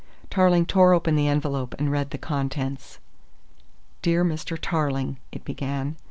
Tarling tore open the envelope and read the contents: "Dear Mr. Tarling," it began.